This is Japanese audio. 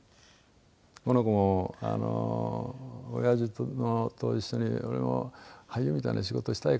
この子も「おやじと一緒に俺も俳優みたいな仕事したいかな」。